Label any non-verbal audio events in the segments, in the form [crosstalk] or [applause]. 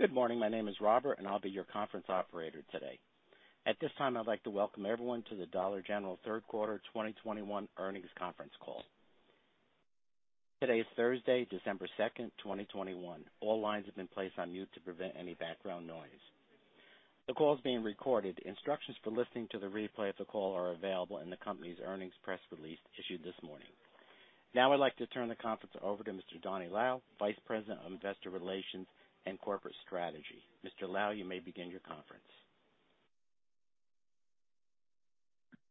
Good morning. My name is Robert, and I'll be your conference operator today. At this time, I'd like to welcome everyone to the Dollar General Q3 2021 Earnings Conference Call. Today is Thursday, December 2nd, 2021. All lines have been placed on mute to prevent any background noise. The call is being recorded. Instructions for listening to the replay of the call are available in the company's earnings press release issued this morning. Now I'd like to turn the conference over to Mr. Donny Lau, Vice President of Investor Relations and Corporate Strategy. Mr. Lau, you may begin your conference.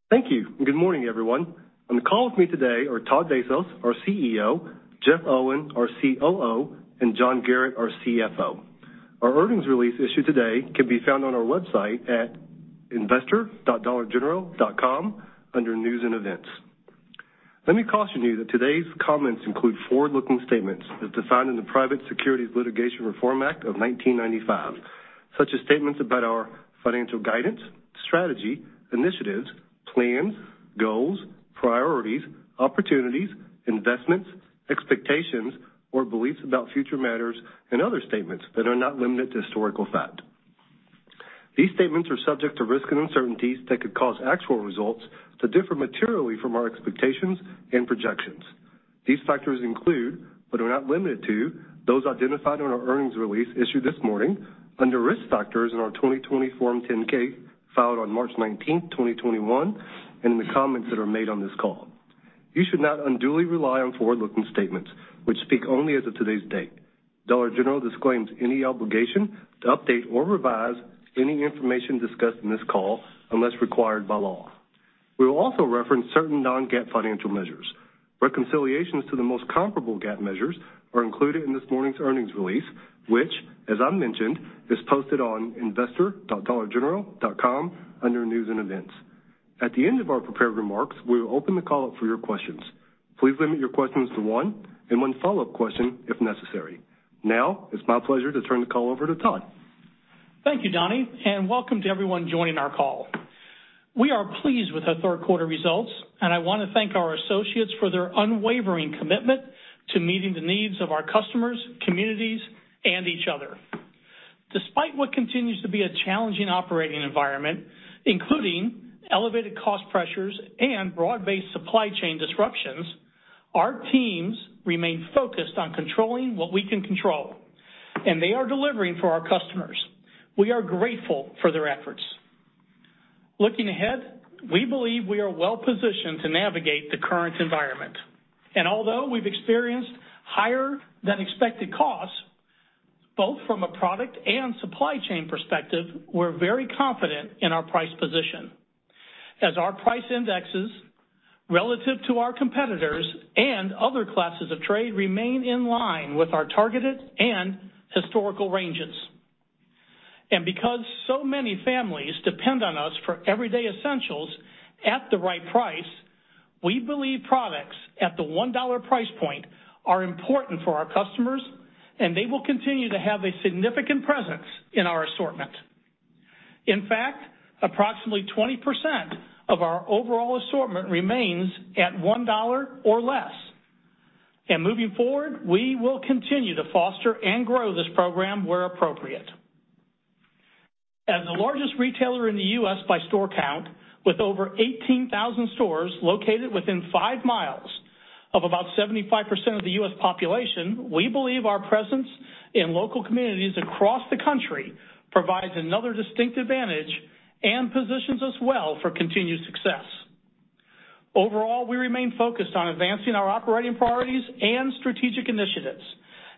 Thank you. Good morning, everyone. On the call with me today are Todd Vasos, our CEO, Jeff Owen, our COO, and John Garratt, our CFO. Our earnings release issued today can be found on our website at investor.dollargeneral.com under News & Events. Let me caution you that today's comments include forward-looking statements as defined in the Private Securities Litigation Reform Act of 1995, such as statements about our financial guidance, strategy, initiatives, plans, goals, priorities, opportunities, investments, expectations, or beliefs about future matters and other statements that are not limited to historical fact. These statements are subject to risks and uncertainties that could cause actual results to differ materially from our expectations and projections. These factors include, but are not limited to, those identified in our earnings release issued this morning under Risk Factors in our 2020 Form 10-K filed on March 19, 2021, and in the comments that are made on this call. You should not unduly rely on forward-looking statements which speak only as of today's date. Dollar General disclaims any obligation to update or revise any information discussed in this call unless required by law. We will also reference certain non-GAAP financial measures. Reconciliations to the most comparable GAAP measures are included in this morning's earnings release, which, as I mentioned, is posted on investor.dollargeneral.com under News & Events. At the end of our prepared remarks, we will open the call up for your questions. Please limit your questions to one and one follow-up question if necessary. Now it's my pleasure to turn the call over to Todd. Thank you, Donny, and welcome to everyone joining our call. We are pleased with our third quarter results, and I want to thank our associates for their unwavering commitment to meeting the needs of our customers, communities, and each other. Despite what continues to be a challenging operating environment, including elevated cost pressures and broad-based supply chain disruptions, our teams remain focused on controlling what we can control, and they are delivering for our customers. We are grateful for their efforts. Looking ahead, we believe we are well-positioned to navigate the current environment. Although we've experienced higher than expected costs, both from a product and supply chain perspective, we're very confident in our price position. As our price indexes relative to our competitors and other classes of trade remain in line with our targeted and historical ranges. Because so many families depend on us for everyday essentials at the right price, we believe products at the $1 price point are important for our customers, and they will continue to have a significant presence in our assortment. In fact, approximately 20% of our overall assortment remains at $1 or less. Moving forward, we will continue to foster and grow this program where appropriate. As the largest retailer in the U.S. by store count, with over 18,000 stores located within 5 mi of about 75% of the U.S. population, we believe our presence in local communities across the country provides another distinct advantage and positions us well for continued success. Overall, we remain focused on advancing our operating priorities and strategic initiatives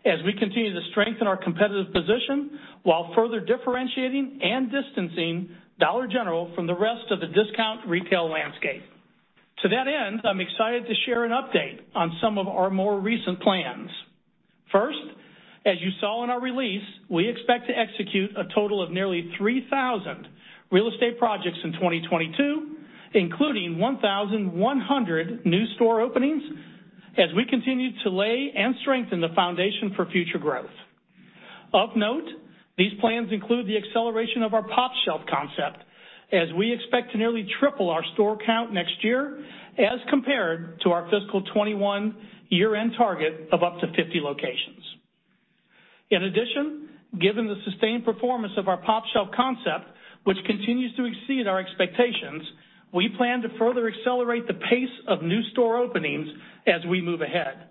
as we continue to strengthen our competitive position while further differentiating and distancing Dollar General from the rest of the discount retail landscape. To that end, I'm excited to share an update on some of our more recent plans. First, as you saw in our release, we expect to execute a total of nearly 3,000 real estate projects in 2022, including 1,100 new store openings as we continue to lay and strengthen the foundation for future growth. Of note, these plans include the acceleration of our pOpshelf concept as we expect to nearly triple our store count next year as compared to our fiscal 2021 year-end target of up to 50 locations. In addition, given the sustained performance of our pOpshelf concept, which continues to exceed our expectations, we plan to further accelerate the pace of new store openings as we move ahead,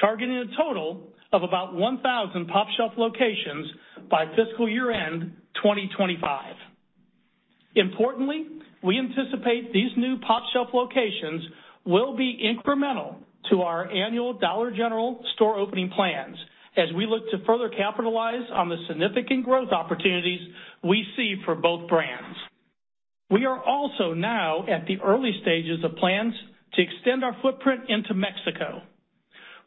targeting a total of about 1,000 pOpshelf locations by fiscal year-end 2025. Importantly, we anticipate these new pOpshelf locations will be incremental to our annual Dollar General store opening plans as we look to further capitalize on the significant growth opportunities we see for both brands. We are also now at the early stages of plans to extend our footprint into Mexico,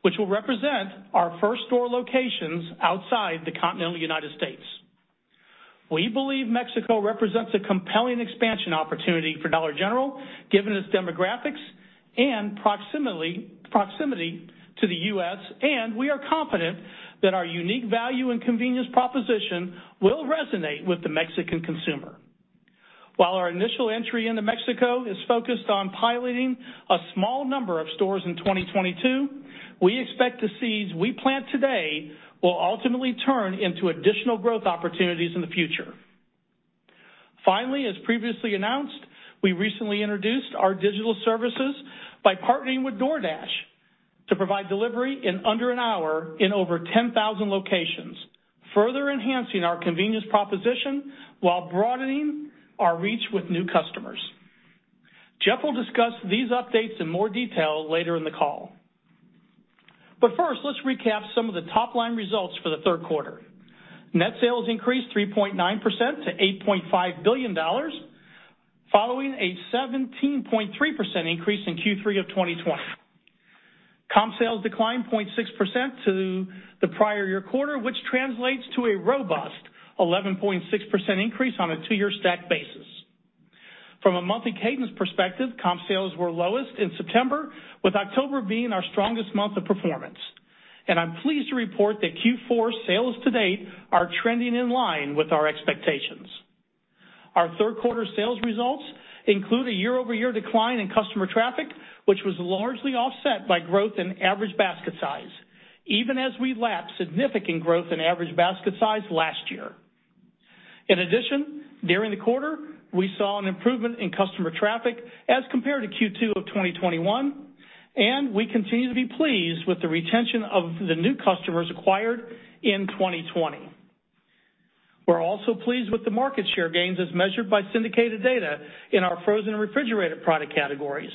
which will represent our first store locations outside the continental United States. We believe Mexico represents a compelling expansion opportunity for Dollar General, given its demographics and proximity to the U.S., and we are confident that our unique value and convenience proposition will resonate with the Mexican consumer. While our initial entry into Mexico is focused on piloting a small number of stores in 2022, we expect the seeds we plant today will ultimately turn into additional growth opportunities in the future. Finally, as previously announced, we recently introduced our digital services by partnering with DoorDash to provide delivery in under an hour in over 10,000 locations, further enhancing our convenience proposition while broadening our reach with new customers. Jeff will discuss these updates in more detail later in the call. First, let's recap some of the top line results for the third quarter. Net sales increased 3.9% to $8.5 billion, following a 17.3% increase in Q3 of 2020. Comp sales declined 0.6% to the prior year quarter, which translates to a robust 11.6% increase on a two-year stack basis. From a monthly cadence perspective, comp sales were lowest in September, with October being our strongest month of performance. I'm pleased to report that Q4 sales to date are trending in line with our expectations. Our third quarter sales results include a year-over-year decline in customer traffic, which was largely offset by growth in average basket size, even as we lap significant growth in average basket size last year. In addition, during the quarter, we saw an improvement in customer traffic as compared to Q2 of 2021, and we continue to be pleased with the retention of the new customers acquired in 2020. We're also pleased with the market share gains as measured by syndicated data in our frozen and refrigerated product categories.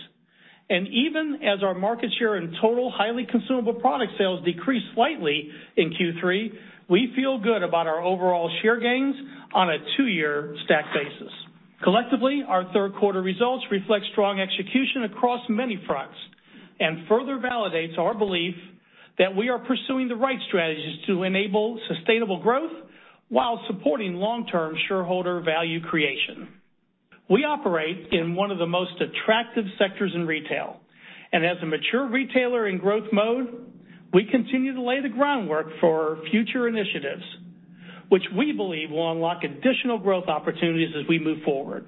Even as our market share in total highly consumable product sales decreased slightly in Q3, we feel good about our overall share gains on a two-year stack basis. Collectively, our third quarter results reflect strong execution across many fronts and further validates our belief that we are pursuing the right strategies to enable sustainable growth while supporting long-term shareholder value creation. We operate in one of the most attractive sectors in retail, and as a mature retailer in growth mode, we continue to lay the groundwork for future initiatives, which we believe will unlock additional growth opportunities as we move forward.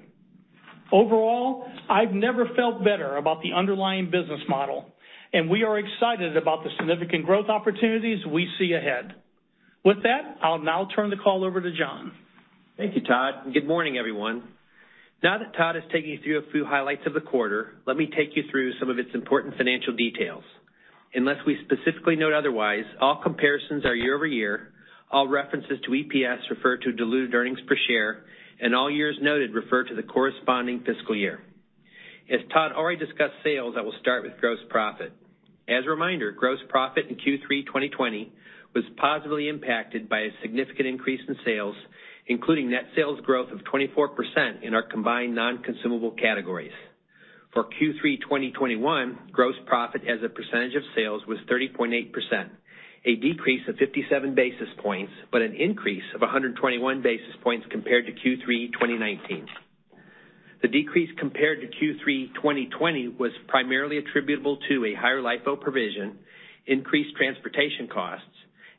Overall, I've never felt better about the underlying business model, and we are excited about the significant growth opportunities we see ahead. With that, I'll now turn the call over to John. Thank you, Todd, and good morning, everyone. Now that Todd has taken you through a few highlights of the quarter, let me take you through some of its important financial details. Unless we specifically note otherwise, all comparisons are year over year, all references to EPS refer to diluted earnings per share, and all years noted refer to the corresponding fiscal year. As Todd already discussed sales, I will start with gross profit. As a reminder, gross profit in Q3 2020 was positively impacted by a significant increase in sales, including net sales growth of 24% in our combined non-consumable categories. For Q3 2021, gross profit as a percentage of sales was 30.8%, a decrease of 57 basis points, but an increase of 121 basis points compared to Q3 2019. The decrease compared to Q3 2020 was primarily attributable to a higher LIFO provision, increased transportation costs,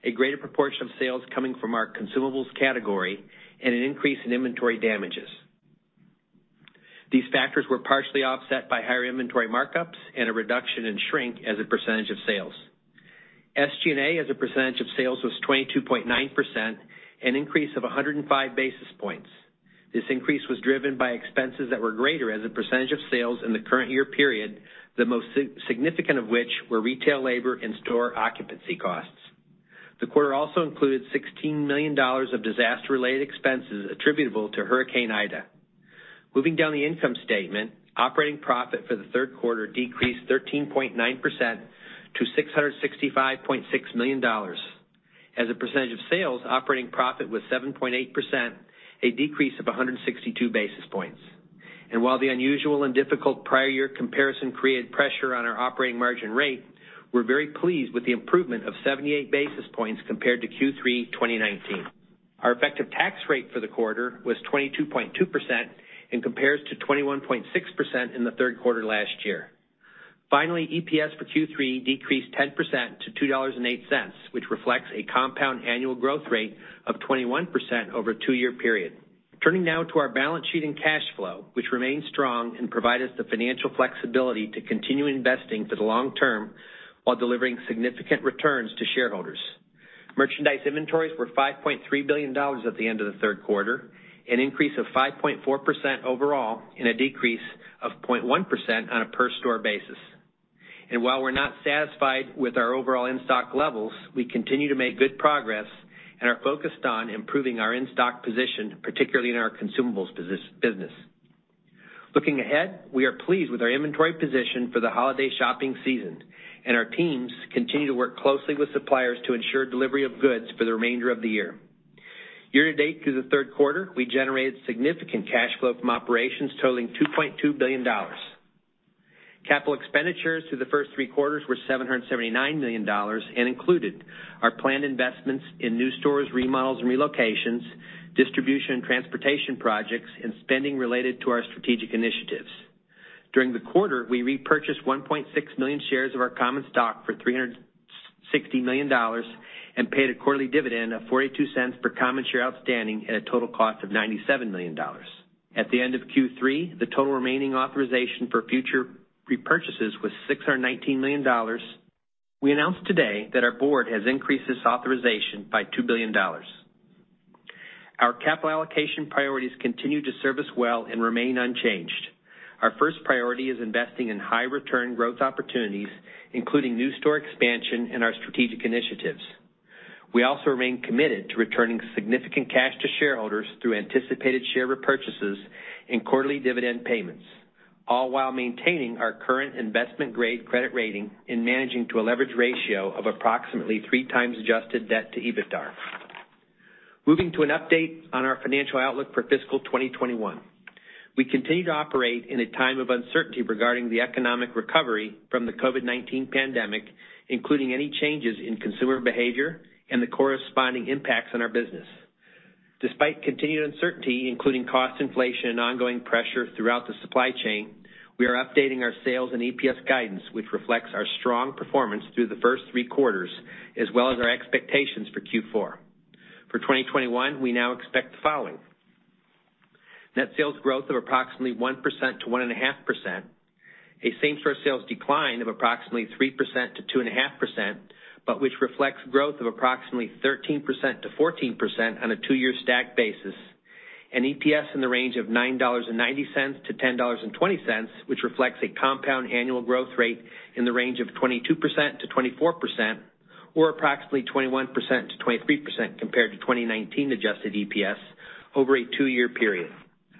a greater proportion of sales coming from our consumables category, and an increase in inventory damages. These factors were partially offset by higher inventory markups and a reduction in shrink as a percentage of sales. SG&A as a percentage of sales was 22.9%, an increase of 105 basis points. This increase was driven by expenses that were greater as a percentage of sales in the current year period, the most significant of which were retail labor and store occupancy costs. The quarter also included $16 million of disaster-related expenses attributable to Hurricane Ida. Moving down the income statement, operating profit for the third quarter decreased 13.9% to $665.6 million. As a percentage of sales, operating profit was 7.8%, a decrease of 162 basis points. While the unusual and difficult prior year comparison created pressure on our operating margin rate, we're very pleased with the improvement of 78 basis points compared to Q3 2019. Our effective tax rate for the quarter was 22.2% and compares to 21.6% in the third quarter last year. Finally, EPS for Q3 decreased 10% to $2.08, which reflects a compound annual growth rate of 21% over a two year period. Turning now to our balance sheet and cash flow, which remain strong and provide us the financial flexibility to continue investing for the long term while delivering significant returns to shareholders. Merchandise inventories were $5.3 billion at the end of the third quarter, an increase of 5.4% overall and a decrease of 0.1% on a per store basis. While we're not satisfied with our overall in-stock levels, we continue to make good progress and are focused on improving our in-stock position, particularly in our consumables business. Looking ahead, we are pleased with our inventory position for the holiday shopping season, and our teams continue to work closely with suppliers to ensure delivery of goods for the remainder of the year. Year-to-date through the third quarter, we generated significant cash flow from operations totaling $2.2 billion. Capital expenditures through the first three quarters were $779 million and included our planned investments in new stores, remodels and relocations, distribution and transportation projects, and spending related to our strategic initiatives. During the quarter, we repurchased 1.6 million shares of our common stock for $360 million and paid a quarterly dividend of $0.42 per common share outstanding at a total cost of $97 million. At the end of Q3, the total remaining authorization for future repurchases was $619 million. We announced today that our board has increased this authorization by $2 billion. Our capital allocation priorities continue to serve us well and remain unchanged. Our first priority is investing in high return growth opportunities, including new store expansion and our strategic initiatives. We also remain committed to returning significant cash to shareholders through anticipated share repurchases and quarterly dividend payments, all while maintaining our current investment grade credit rating and managing to a leverage ratio of approximately 3x adjusted debt to EBITDA. Moving to an update on our financial outlook for fiscal 2021. We continue to operate in a time of uncertainty regarding the economic recovery from the COVID-19 pandemic, including any changes in consumer behavior and the corresponding impacts on our business. Despite continued uncertainty, including cost inflation and ongoing pressure throughout the supply chain, we are updating our sales and EPS guidance, which reflects our strong performance through the first three quarters as well as our expectations for Q4. For 2021, we now expect the following. Net sales growth of approximately 1%-1.5%, a same-store sales decline of approximately 3%-2.5%, but which reflects growth of approximately 13%-14% on a two-year stack basis, and EPS in the range of $9.90-$10.20, which reflects a compound annual growth rate in the range of 22%-24% or approximately 21%-23% compared to 2019 adjusted EPS over a two-year period.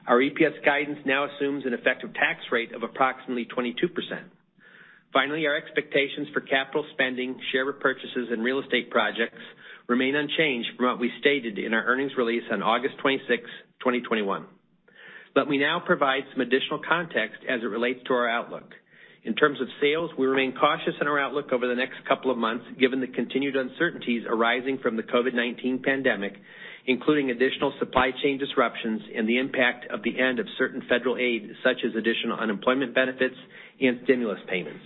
Our EPS guidance now assumes an effective tax rate of approximately 22%. Finally, our expectations for capital spending, share repurchases, and real estate projects remain unchanged from what we stated in our earnings release on August 26, 2021. We now provide some additional context as it relates to our outlook. In terms of sales, we remain cautious in our outlook over the next couple of months, given the continued uncertainties arising from the COVID-19 pandemic, including additional supply chain disruptions and the impact of the end of certain federal aid, such as additional unemployment benefits and stimulus payments.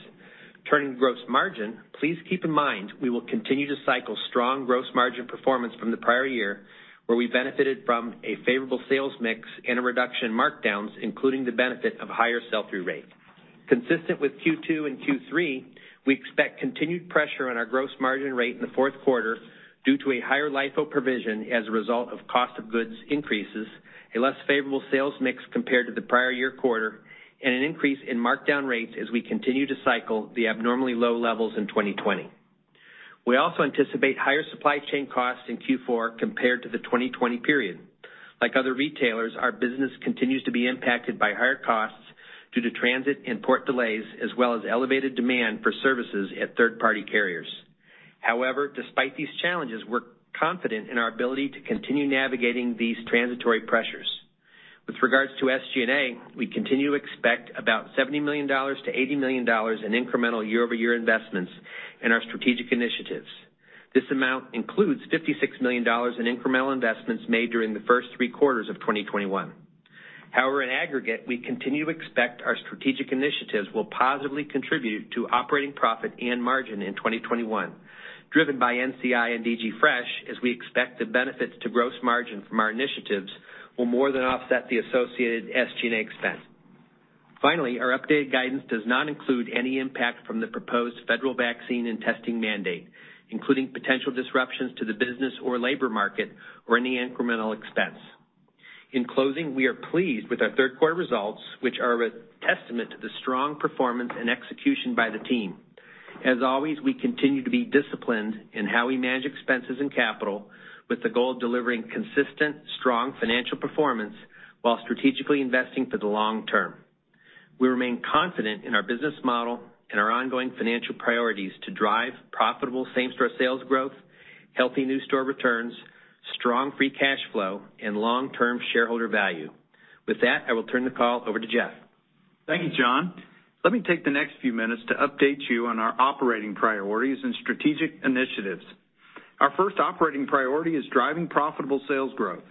Turning to gross margin, please keep in mind, we will continue to cycle strong gross margin performance from the prior year, where we benefited from a favorable sales mix and a reduction in markdowns, including the benefit of a higher sell-through rate. Consistent with Q2 and Q3, we expect continued pressure on our gross margin rate in the fourth quarter due to a higher LIFO provision as a result of cost of goods increases, a less favorable sales mix compared to the prior year quarter, and an increase in markdown rates as we continue to cycle the abnormally low levels in 2020. We also anticipate higher supply chain costs in Q4 compared to the 2020 period. Like other retailers, our business continues to be impacted by higher costs due to transit and port delays, as well as elevated demand for services at third-party carriers. However, despite these challenges, we're confident in our ability to continue navigating these transitory pressures. With regards to SG&A, we continue to expect about $70 million-$80 million in incremental year-over-year investments in our strategic initiatives. This amount includes $56 million in incremental investments made during the first three quarters of 2021. However, in aggregate, we continue to expect our strategic initiatives will positively contribute to operating profit and margin in 2021, driven by NCI and DG Fresh, as we expect the benefits to gross margin from our initiatives will more than offset the associated SG&A expense. Finally, our updated guidance does not include any impact from the proposed federal vaccine and testing mandate, including potential disruptions to the business or labor market or any incremental expense. In closing, we are pleased with our third quarter results, which are a testament to the strong performance and execution by the team. As always, we continue to be disciplined in how we manage expenses and capital with the goal of delivering consistent, strong financial performance while strategically investing for the long term. We remain confident in our business model and our ongoing financial priorities to drive profitable same-store sales growth, healthy new store returns, strong free cash flow, and long-term shareholder value. With that, I will turn the call over to Jeff. Thank you, John. Let me take the next few minutes to update you on our operating priorities and strategic initiatives. Our first operating priority is driving profitable sales growth.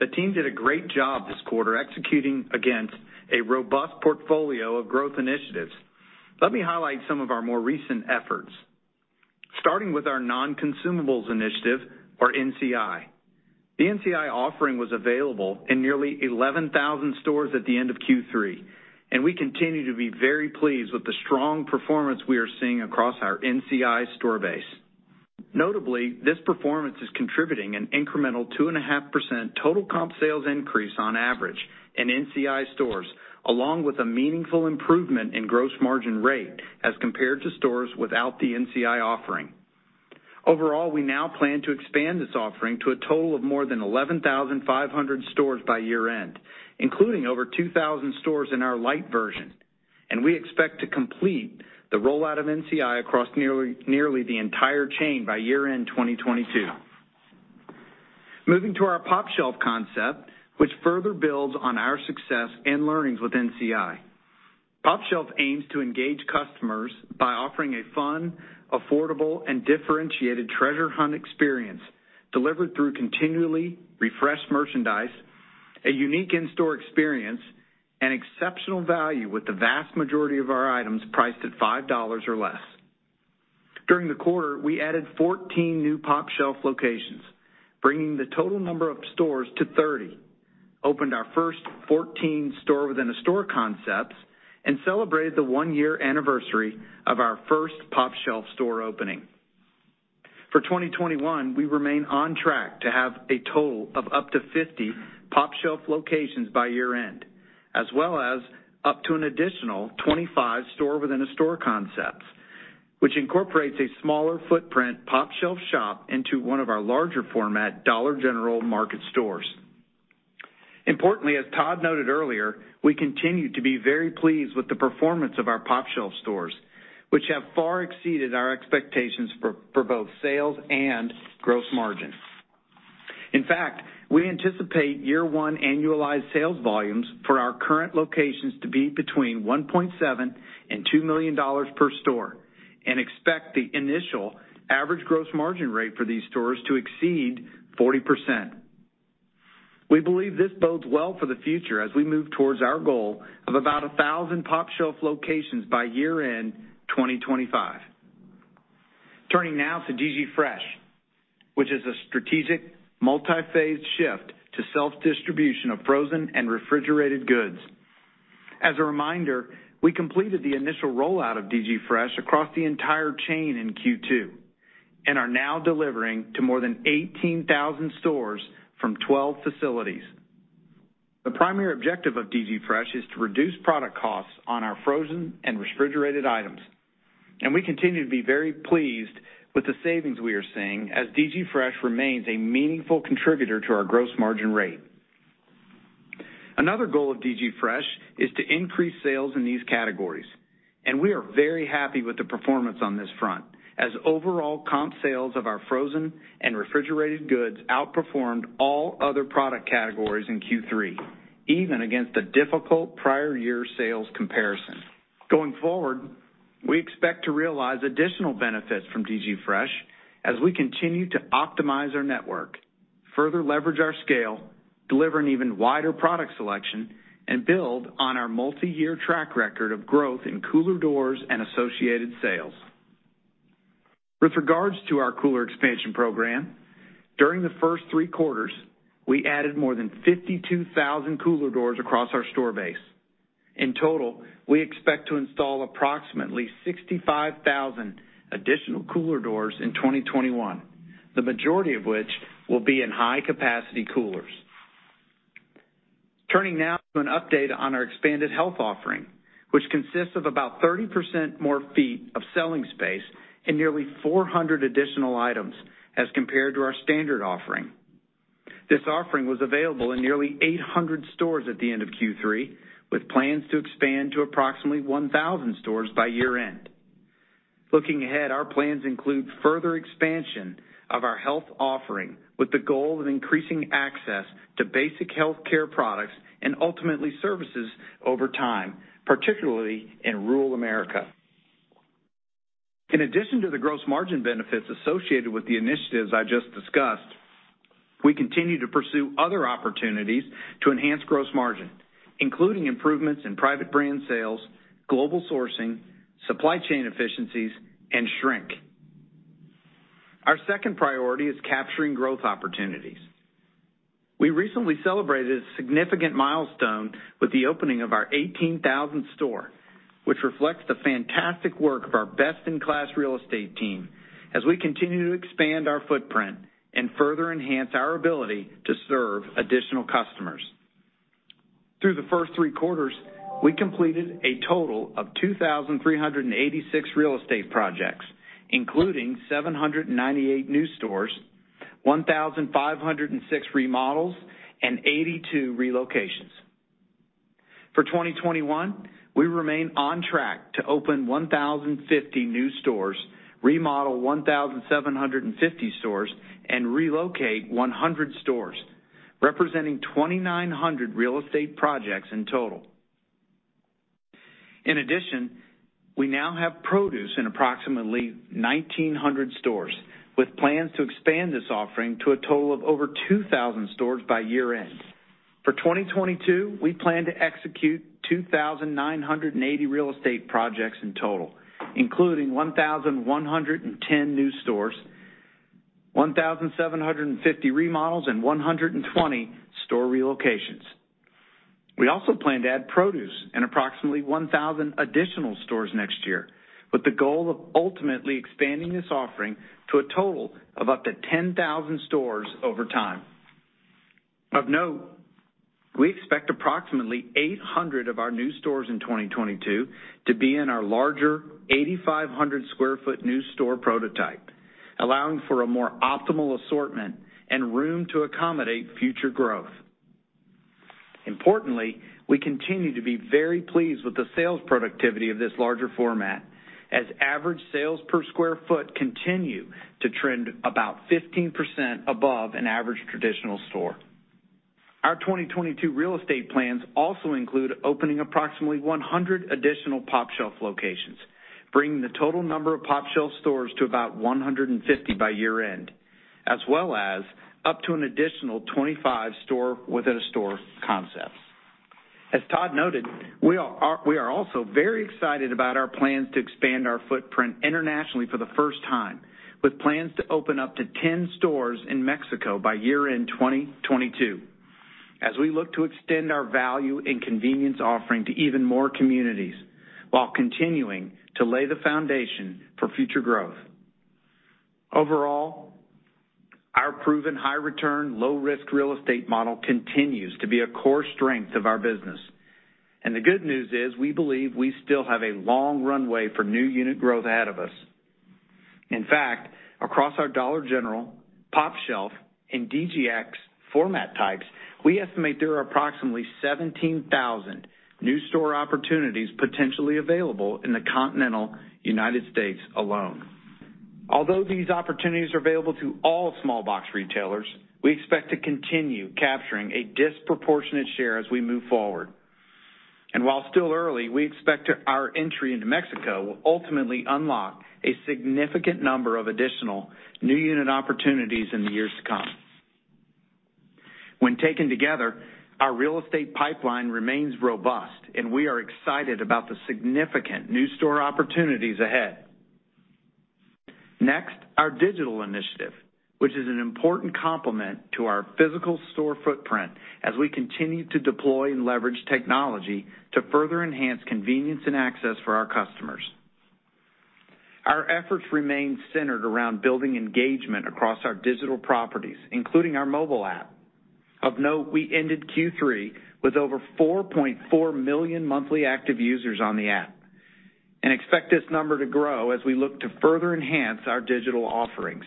The team did a great job this quarter executing against a robust portfolio of growth initiatives. Let me highlight some of our more recent efforts. Starting with our non-consumables initiative or NCI. The NCI offering was available in nearly 11,000 stores at the end of Q3, and we continue to be very pleased with the strong performance we are seeing across our NCI store base. Notably, this performance is contributing an incremental 2.5% total comp sales increase on average in NCI stores, along with a meaningful improvement in gross margin rate as compared to stores without the NCI offering. Overall, we now plan to expand this offering to a total of more than 11,500 stores by year-end, including over 2,000 stores in our light version, and we expect to complete the rollout of NCI across nearly the entire chain by year-end 2022. Moving to our pOpshelf concept, which further builds on our success and learnings with NCI. pOpshelf aims to engage customers by offering a fun, affordable, and differentiated treasure hunt experience delivered through continually refreshed merchandise, a unique in-store experience, and exceptional value with the vast majority of our items priced at $5 or less. During the quarter, we added 14 new pOpshelf locations, bringing the total number of stores to 30. We opened our first 14 store-within-a-store concepts, and celebrated the one year anniversary of our first pOpshelf store opening. For 2021, we remain on track to have a total of up to 50 pOpshelf locations by year-end, as well as up to an additional 25 store within a store concepts, which incorporates a smaller footprint pOpshelf shop into one of our larger format Dollar General Market stores. Importantly, as Todd noted earlier, we continue to be very pleased with the performance of our pOpshelf stores, which have far exceeded our expectations for both sales and gross margin. In fact, we anticipate year one annualized sales volumes for our current locations to be between $1.7 million and $2 million per store, and expect the initial average gross margin rate for these stores to exceed 40%. We believe this bodes well for the future as we move towards our goal of about 1,000 pOpshelf locations by year-end 2025. Turning now to DG Fresh, which is a strategic multi-phase shift to self-distribution of frozen and refrigerated goods. As a reminder, we completed the initial rollout of DG Fresh across the entire chain in Q2, and are now delivering to more than 18,000 stores from 12 facilities. The primary objective of DG Fresh is to reduce product costs on our frozen and refrigerated items, and we continue to be very pleased with the savings we are seeing as DG Fresh remains a meaningful contributor to our gross margin rate. Another goal of DG Fresh is to increase sales in these categories, and we are very happy with the performance on this front, as overall comp sales of our frozen and refrigerated goods outperformed all other product categories in Q3, even against a difficult prior year sales comparison. Going forward, we expect to realize additional benefits from DG Fresh as we continue to optimize our network, further leverage our scale, deliver an even wider product selection, and build on our multiyear track record of growth in cooler doors and associated sales. With regards to our cooler expansion program, during the first three quarters, we added more than 52,000 cooler doors across our store base. In total, we expect to install approximately 65,000 additional cooler doors in 2021, the majority of which will be in high-capacity coolers. Turning now to an update on our expanded health offering, which consists of about 30% more feet of selling space and nearly 400 additional items as compared to our standard offering. This offering was available in nearly 800 stores at the end of Q3, with plans to expand to approximately 1,000 stores by year-end. Looking ahead, our plans include further expansion of our health offering with the goal of increasing access to basic healthcare products and ultimately services over time, particularly in rural America. In addition to the gross margin benefits associated with the initiatives I just discussed, we continue to pursue other opportunities to enhance gross margin, including improvements in private brand sales, global sourcing, supply chain efficiencies, and shrink. Our second priority is capturing growth opportunities. We recently celebrated a significant milestone with the opening of our 18,000th store, which reflects the fantastic work of our best-in-class real estate team as we continue to expand our footprint and further enhance our ability to serve additional customers. Through the first three quarters, we completed a total of 2,386 real estate projects, including 798 new stores, 1,506 remodels, and 82 relocations. For 2021, we remain on track to open 1,050 new stores, remodel 1,750 stores, and relocate 100 stores, representing 2,900 real estate projects in total. In addition, we now have produce in approximately 1,900 stores, with plans to expand this offering to a total of over 2,000 stores by year-end. For 2022, we plan to execute 2,980 real estate projects in total, including 1,110 new stores, 1,750 remodels, and 120 store relocations. We also plan to add produce in approximately 1,000 additional stores next year, with the goal of ultimately expanding this offering to a total of up to 10,000 stores over time. Of note, we expect approximately 800 of our new stores in 2022 to be in our larger 8,500 sq ft new store prototype, allowing for a more optimal assortment and room to accommodate future growth. Importantly, we continue to be very pleased with the sales productivity of this larger format as average sales per square foot continue to trend about 15% above an average traditional store. Our 2022 real estate plans also include opening approximately 100 additional pOpshelf locations, bringing the total number of pOpshelf stores to about 150 by year-end, as well as up to an additional 25 store within a store concepts. As Todd noted, we are also very excited about our plans to expand our footprint internationally for the first time, with plans to open up to 10 stores in Mexico by year-end 2022, as we look to extend our value and convenience offering to even more communities while continuing to lay the foundation for future growth. Overall, our proven high return, low risk real estate model continues to be a core strength of our business. The good news is we believe we still have a long runway for new unit growth ahead of us. In fact, across our Dollar General, pOpshelf and DGX format types, we estimate there are approximately 17,000 new store opportunities potentially available in the continental U.S. alone. Although these opportunities are available to all small box retailers, we expect to continue capturing a disproportionate share as we move forward. While still early, we expect our entry into Mexico will ultimately unlock a significant number of additional new unit opportunities in the years to come. When taken together, our real estate pipeline remains robust, and we are excited about the significant new store opportunities ahead. Next, our digital initiative, which is an important complement to our physical store footprint as we continue to deploy and leverage technology to further enhance convenience and access for our customers. Our efforts remain centered around building engagement across our digital properties, including our mobile app. Of note, we ended Q3 with over 4.4 million monthly active users on the app, and expect this number to grow as we look to further enhance our digital offerings.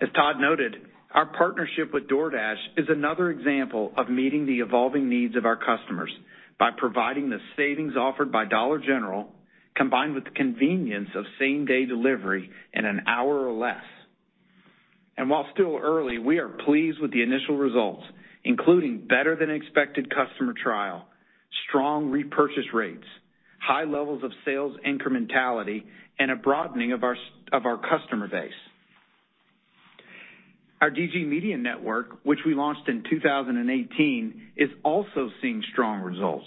As Todd noted, our partnership with DoorDash is another example of meeting the evolving needs of our customers by providing the savings offered by Dollar General, combined with the convenience of same-day delivery in an hour or less. While still early, we are pleased with the initial results, including better than expected customer trial, strong repurchase rates, high levels of sales incrementality, and a broadening of our customer base. Our DG Media Network, which we launched in 2018, is also seeing strong results,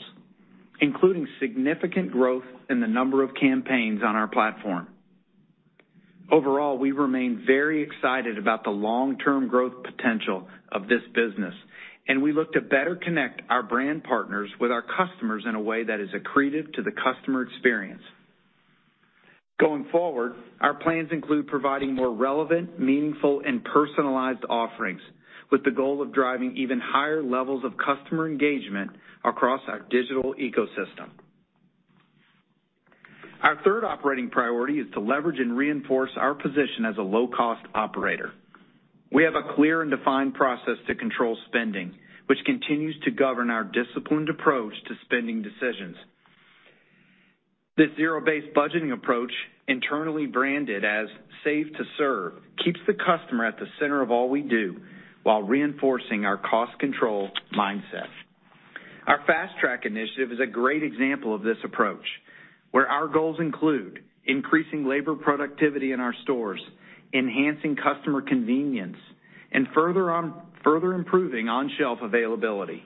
including significant growth in the number of campaigns on our platform. Overall, we remain very excited about the long-term growth potential of this business, and we look to better connect our brand partners with our customers in a way that is accretive to the customer experience. Going forward, our plans include providing more relevant, meaningful, and personalized offerings with the goal of driving even higher levels of customer engagement across our digital ecosystem. Our third operating priority is to leverage and reinforce our position as a low-cost operator. We have a clear and defined process to control spending, which continues to govern our disciplined approach to spending decisions. This zero-based budgeting approach, internally branded as Save to Serve, keeps the customer at the center of all we do while reinforcing our cost control mindset. Our Fast Track initiative is a great example of this approach, where our goals include increasing labor productivity in our stores, enhancing customer convenience, and further improving on-shelf availability.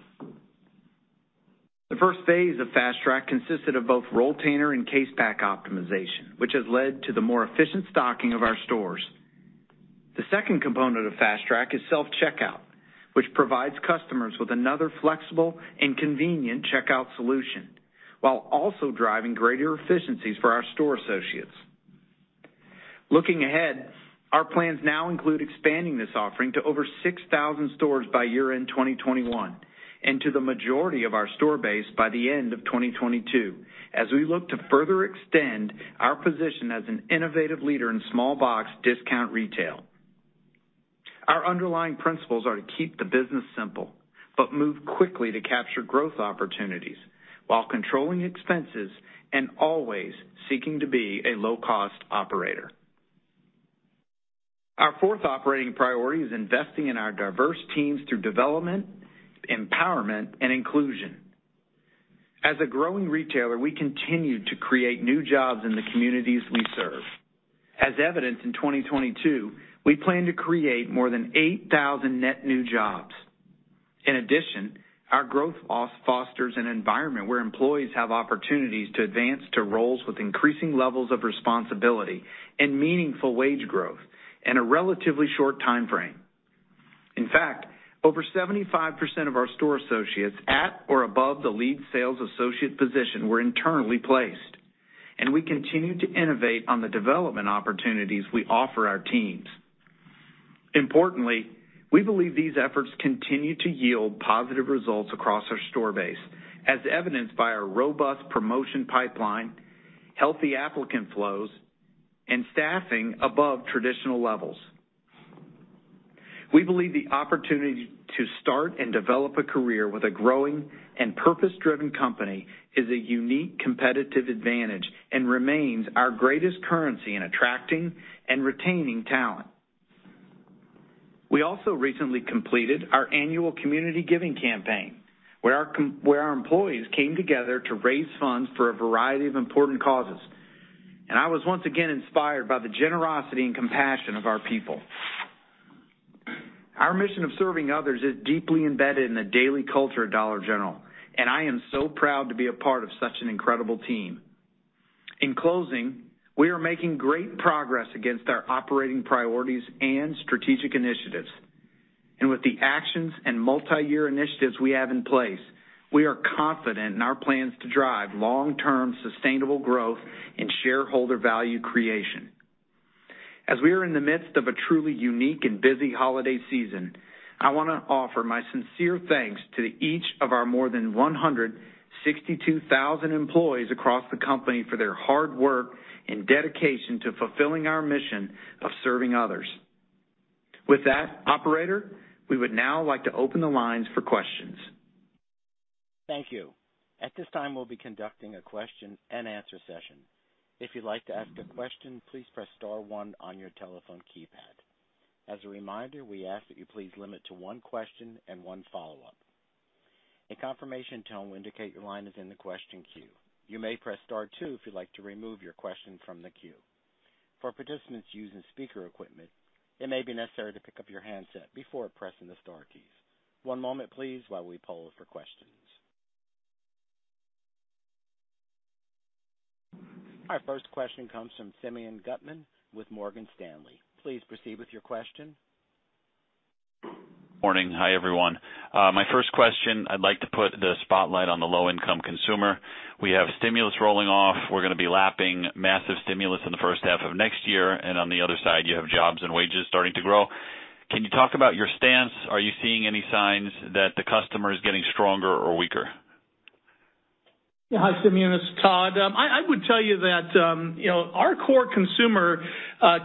The first phase of Fast Track consisted of both rolltainer and case pack optimization, which has led to the more efficient stocking of our stores. The second component of Fast Track is self-checkout, which provides customers with another flexible and convenient checkout solution while also driving greater efficiencies for our store associates. Looking ahead, our plans now include expanding this offering to over 6,000 stores by year-end 2021 and to the majority of our store base by the end of 2022, as we look to further extend our position as an innovative leader in small box discount retail. Our underlying principles are to keep the business simple but move quickly to capture growth opportunities while controlling expenses and always seeking to be a low-cost operator. Our fourth operating priority is investing in our diverse teams through development, empowerment, and inclusion. As a growing retailer, we continue to create new jobs in the communities we serve. As evidenced in 2022, we plan to create more than 8,000 net new jobs. In addition, our growth fosters an environment where employees have opportunities to advance to roles with increasing levels of responsibility and meaningful wage growth in a relatively short time frame. In fact, over 75% of our store associates at or above the lead sales associate position were internally placed, and we continue to innovate on the development opportunities we offer our teams. Importantly, we believe these efforts continue to yield positive results across our store base, as evidenced by our robust promotion pipeline, healthy applicant flows, and staffing above traditional levels. We believe the opportunity to start and develop a career with a growing and purpose-driven company is a unique competitive advantage and remains our greatest currency in attracting and retaining talent. We also recently completed our annual community giving campaign, where our employees came together to raise funds for a variety of important causes. I was once again inspired by the generosity and compassion of our people. Our mission of serving others is deeply embedded in the daily culture of Dollar General, and I am so proud to be a part of such an incredible team. In closing, we are making great progress against our operating priorities and strategic initiatives. With the actions and multiyear initiatives we have in place, we are confident in our plans to drive long-term sustainable growth and shareholder value creation. As we are in the midst of a truly unique and busy holiday season, I wanna offer my sincere thanks to each of our more than 162,000 employees across the company for their hard work and dedication to fulfilling our mission of serving others. With that, operator, we would now like to open the lines for questions. Thank you. At this time, we'll be conducting a question-and-answer session. If you'd like to ask a question, please press star one on your telephone keypad. As a reminder, we ask that you please limit to one question and one follow-up. A confirmation tone will indicate your line is in the question queue. You may press Star two if you'd like to remove your question from the queue. For participants using speaker equipment, it may be necessary to pick up your handset before pressing the star keys. One moment please, while we poll for questions. Our first question comes from Simeon Gutman with Morgan Stanley. Please proceed with your question. Morning. Hi, everyone. My first question, I'd like to put the spotlight on the low income consumer. We have stimulus rolling off. We're gonna be lapping massive stimulus in the first half of next year, and on the other side, you have jobs and wages starting to grow. Can you talk about your stance? Are you seeing any signs that the customer is getting stronger or weaker? Yeah. Hi, Simeon. It's Todd. I would tell you that you know, our core consumer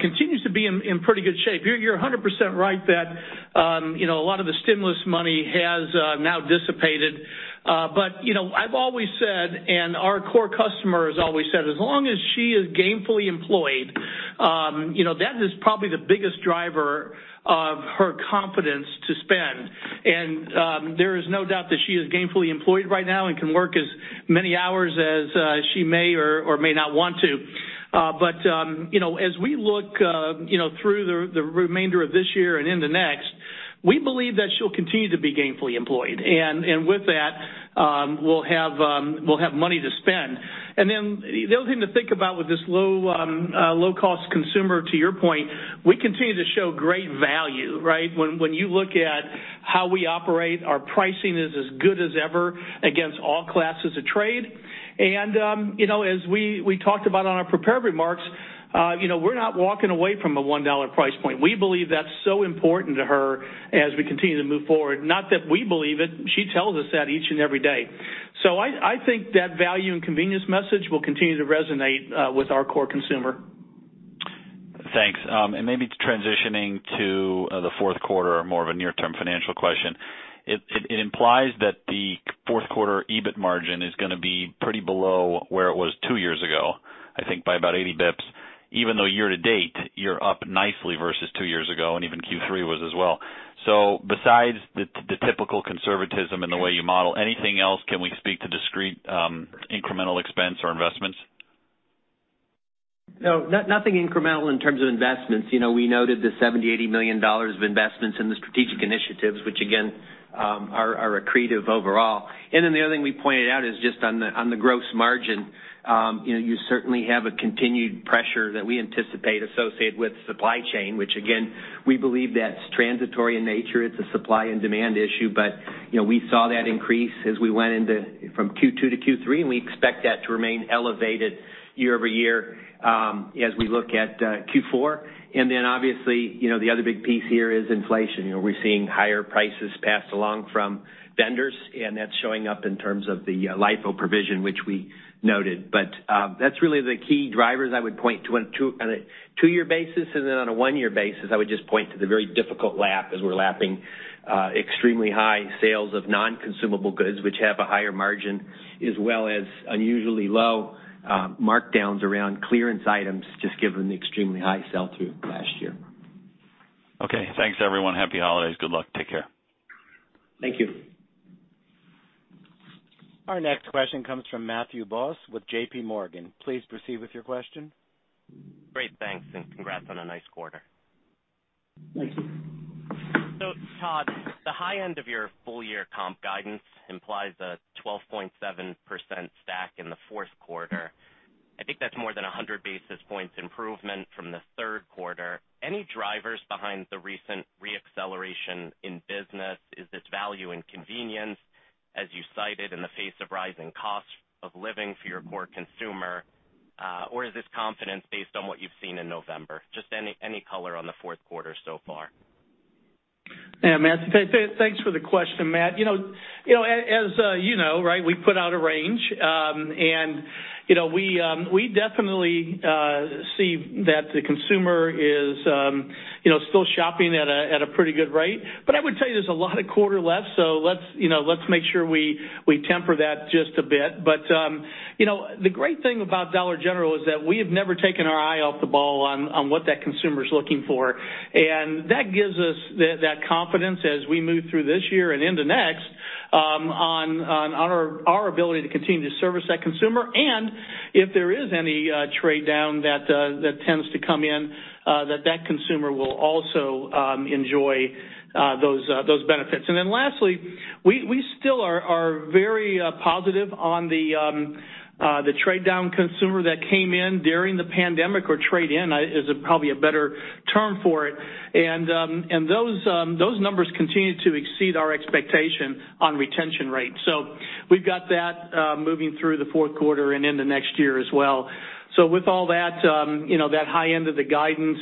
continues to be in pretty good shape. You're 100% right that you know, a lot of the stimulus money has now dissipated. You know, I've always said, and our core customer has always said, as long as she is gainfully employed you know, that is probably the biggest driver of her confidence to spend. There is no doubt that she is gainfully employed right now and can work as many hours as she may or may not want to. You know, as we look you know, through the remainder of this year and into next, we believe that she'll continue to be gainfully employed. With that, we'll have money to spend. Then the other thing to think about with this low cost consumer, to your point, we continue to show great value, right? When you look at how we operate, our pricing is as good as ever against all classes of trade. You know, as we talked about on our prepared remarks, you know, we're not walking away from a $1 price point. We believe that's so important to her as we continue to move forward. Not that we believe it. She tells us that each and every day. I think that value and convenience message will continue to resonate with our core consumer. Thanks. Maybe transitioning to the fourth quarter or more of a near-term financial question, it implies that the fourth quarter EBIT margin is gonna be pretty below where it was two years ago, I think by about 80 basis points, even though year to date, you're up nicely versus two years ago, and even Q3 was as well. Besides the typical conservatism in the way you model, anything else? Can we speak to discrete, incremental expense or investments? No, nothing incremental in terms of investments. You know, we noted the $70 million-$80 million of investments in the strategic initiatives, which again, are accretive overall. The other thing we pointed out is just on the gross margin. You know, you certainly have a continued pressure that we anticipate associated with supply chain, which again, we believe that's transitory in nature. It's a supply and demand issue. You know, we saw that increase as we went from Q2 to Q3, and we expect that to remain elevated year-over-year, as we look at Q4. Obviously, you know, the other big piece here is inflation. You know, we're seeing higher prices passed along from vendors, and that's showing up in terms of the LIFO provision, which we noted. That's really the key drivers I would point to on a two year basis and then on a one year basis. I would just point to the very difficult lap as we're lapping extremely high sales of non-consumable goods which have a higher margin, as well as unusually low markdowns around clearance items just given the extremely high sell-through of last year. Okay. Thanks, everyone. Happy holidays. Good luck. Take care. Thank you. Our next question comes from Matthew Boss with JPMorgan. Please proceed with your question. Great. Thanks, and congrats on a nice quarter. Todd, the high end of your full year comp guidance implies a 12.7% stack in the fourth quarter. I think that's more than 100 basis points improvement from the third quarter. Any drivers behind the recent re-acceleration in business? Is this value and convenience, as you cited in the face of rising costs of living for your core consumer? Or is this confidence based on what you've seen in November? Just any color on the fourth quarter so far. Yeah, Matt. Thanks for the question, Matt. You know, right, we put out a range. You know, we definitely see that the consumer is you know, still shopping at a pretty good rate. I would tell you there's a lot of quarter left, so let's you know, make sure we temper that just a bit. You know, the great thing about Dollar General is that we have never taken our eye off the ball on what that consumer's looking for. That gives us that confidence as we move through this year and into next, on our ability to continue to service that consumer and if there is any trade down that tends to come in, that consumer will also enjoy those benefits. Lastly, we still are very positive on the trade down consumer that came in during the pandemic or trade-in is probably a better term for it. Those numbers continue to exceed our expectation on retention rates. We've got that moving through the fourth quarter and into next year as well. With all that, you know, that high end of the guidance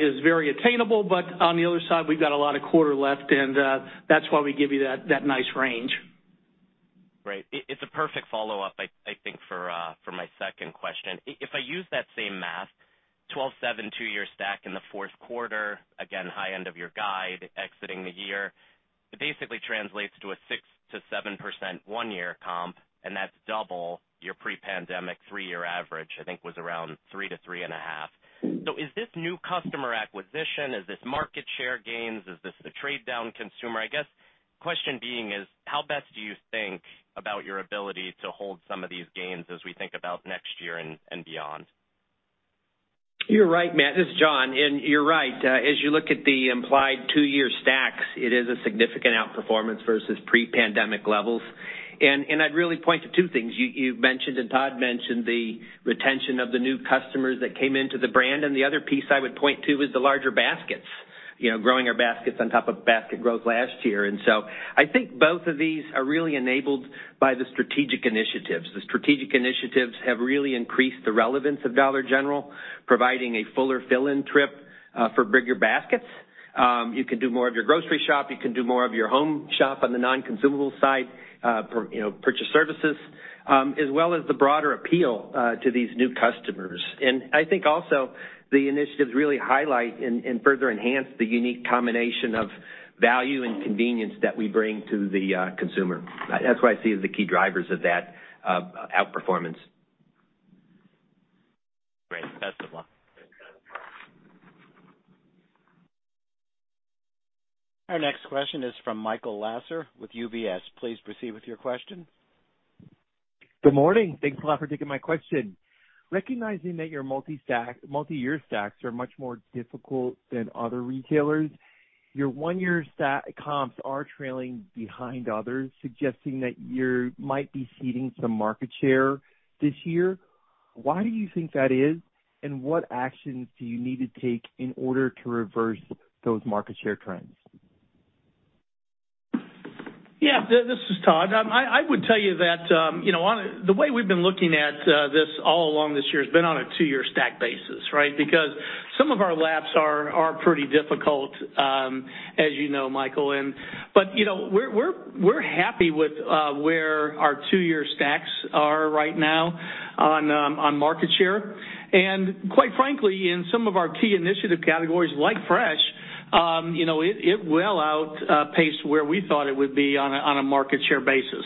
is very attainable, but on the other side, we've got a lot of quarter left, and that's why we give you that nice range. Great. It's a perfect follow-up, I think, for my second question. If I use that same math, 12/7 two-year stack in the fourth quarter, again, high end of your guide exiting the year, it basically translates to a 6%-7% one-year comp, and that's double your pre-pandemic three-year average, I think was around 3%-3.5%. Is this new customer acquisition? Is this market share gains? Is this a trade-down consumer? I guess question being is, how best do you think about your ability to hold some of these gains as we think about next year and beyond? You're right, Matt. This is John. You're right. As you look at the implied two-year stacks, it is a significant outperformance versus pre-pandemic levels. I'd really point to two things. You've mentioned and Todd mentioned the retention of the new customers that came into the brand. The other piece I would point to is the larger baskets. You know, growing our baskets on top of basket growth last year. I think both of these are really enabled by the strategic initiatives. The strategic initiatives have really increased the relevance of Dollar General, providing a fuller fill-in trip for bigger baskets. You can do more of your grocery shop, you can do more of your home shop on the non-consumable side, you know, purchase services, as well as the broader appeal to these new customers. I think also the initiatives really highlight and further enhance the unique combination of value and convenience that we bring to the consumer. That's what I see as the key drivers of that outperformance. Great. That's a lot. Our next question is from Michael Lasser with UBS. Please proceed with your question. Good morning. Thanks a lot for taking my question. Recognizing that your multi-year stacks are much more difficult than other retailers, your one-year comps are trailing behind others, suggesting that you might be ceding some market share this year. Why do you think that is? What actions do you need to take in order to reverse those market share trends? This is Todd. I would tell you that, you know, the way we've been looking at this all along this year has been on a two-year stack basis, right? Because some of our laps are pretty difficult, as you know, Michael. You know, we're happy with where our two-year stacks are right now on market share. Quite frankly, in some of our key initiative categories like fresh, you know, it well outpaced where we thought it would be on a market share basis.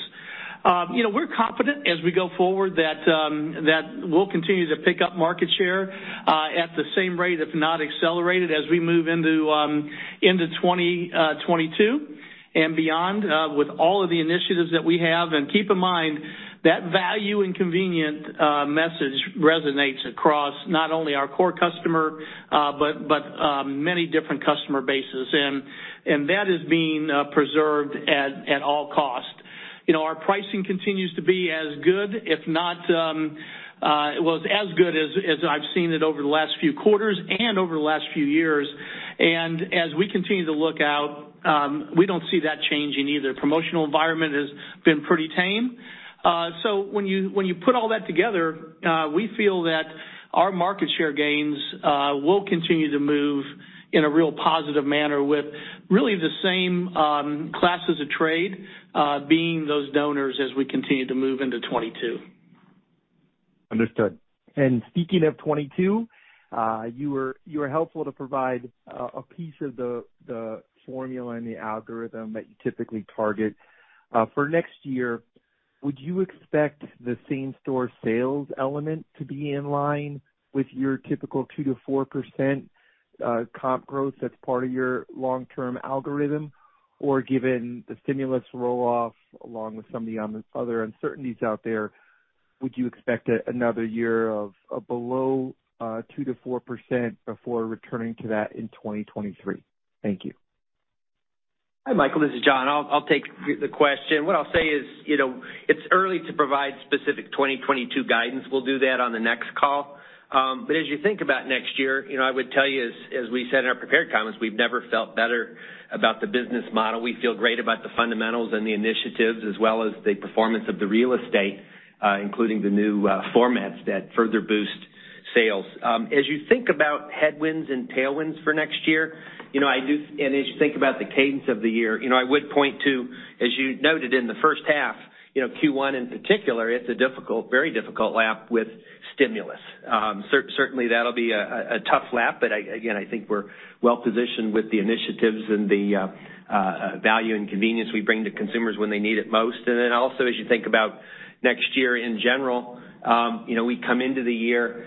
You know, we're confident as we go forward that we'll continue to pick up market share at the same rate, if not accelerated, as we move into 2022 and beyond with all of the initiatives that we have. Keep in mind, that value and convenience message resonates across not only our core customer but many different customer bases. That is being preserved at all costs. You know, our pricing continues to be as good, if not, well, as good as I've seen it over the last few quarters and over the last few years. As we continue to look out, we don't see that changing either. Promotional environment has been pretty tame. When you put all that together, we feel that our market share gains will continue to move in a real positive manner with really the same classes of trade being those donors as we continue to move into 2022. Understood. Speaking of 2022, you were helpful to provide a piece of the formula and the algorithm that you typically target. For next year, would you expect the same store sales element to be in line with your typical 2%-4% comp growth that's part of your long-term algorithm? Or given the stimulus roll-off, along with some of the other uncertainties out there, would you expect another year of below 2%-4% before returning to that in 2023? Thank you. Hi, Michael, this is John. I'll take the question. What I'll say is, you know, it's early to provide specific 2022 guidance. We'll do that on the next call. As you think about next year, you know, I would tell you, as we said in our prepared comments, we've never felt better about the business model. We feel great about the fundamentals and the initiatives, as well as the performance of the real estate, including the new formats that further boost sales. As you think about headwinds and tailwinds for next year, you know, and as you think about the cadence of the year, you know, I would point to, as you noted in the first half, you know, Q1 in particular, it's a difficult, very difficult lap with stimulus. Certainly that'll be a tough lap. Again, I think we're well-positioned with the initiatives and the value and convenience we bring to consumers when they need it most. Then also, as you think about Next year in general, you know, we come into the year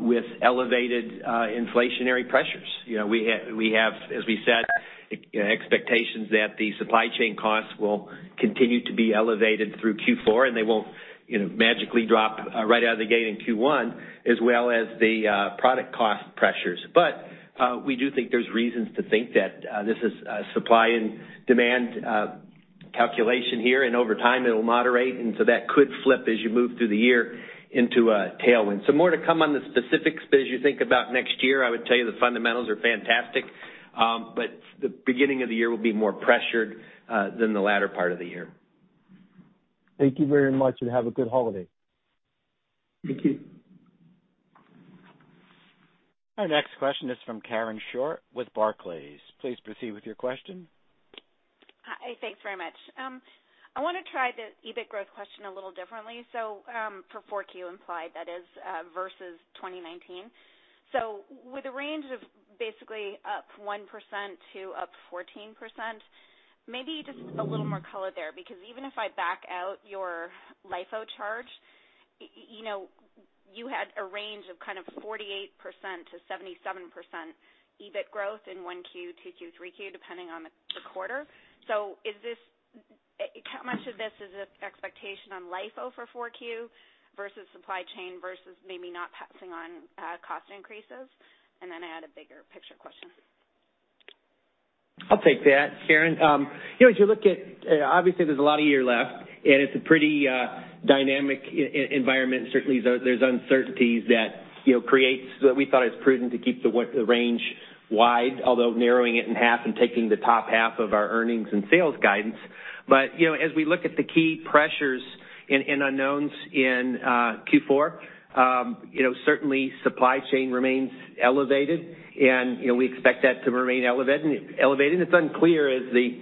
with elevated inflationary pressures. You know, we have, as we said, expectations that the supply chain costs will continue to be elevated through Q4, and they won't, you know, magically drop right out of the gate in Q1, as well as the product cost pressures. We do think there's reasons to think that this is a supply and demand calculation here, and over time it'll moderate, and so that could flip as you move through the year into a tailwind. More to come on the specifics. As you think about next year, I would tell you the fundamentals are fantastic. The beginning of the year will be more pressured than the latter part of the year. Thank you very much, and have a good holiday. Thank you. Our next question is from Karen Short with Barclays. Please proceed with your question. Hi. Thanks very much. I wanna try the EBIT growth question a little differently. For 4Q implied, that is, versus 2019. With a range of basically up 1% to up 14%, maybe just a little more color there. Because even if I back out your LIFO charge, you know, you had a range of kind of 48%-77% EBIT growth in 1Q, 2Q, 3Q, depending on the quarter. Is this how much of this is an expectation on LIFO for 4Q versus supply chain, versus maybe not passing on cost increases? And then I had a bigger picture question. I'll take that, Karen. You know, as you look at, obviously there's a lot of year left, and it's a pretty dynamic environment. Certainly, there's uncertainties that we thought it was prudent to keep the range wide, although narrowing it in half and taking the top half of our earnings and sales guidance. You know, as we look at the key pressures and unknowns in Q4, certainly supply chain remains elevated and, you know, we expect that to remain elevated. It's unclear as the